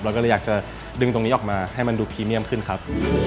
ก็เลยอยากจะดึงตรงนี้ออกมาให้มันดูพรีเมียมขึ้นครับ